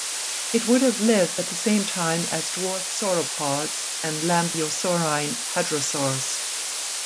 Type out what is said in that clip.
It would have lived at the same time as dwarf sauropods and lambeosaurine hadrosaurs.